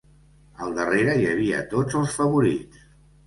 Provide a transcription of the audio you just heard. Al darrere hi havia tots els favorits.